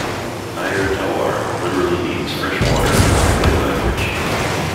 "Ayer Tawar" literally means "fresh water" in the Malay language.